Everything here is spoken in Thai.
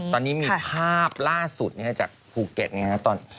ตอนนี้มีภาพล่าสุดจากภูเก็ตนะครับ